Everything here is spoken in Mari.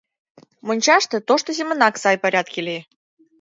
Мончаште тошто семынак сай порядке лие.